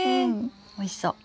おいしそう。